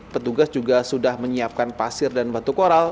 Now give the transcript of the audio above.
petugas juga sudah menyiapkan pasir dan batu koral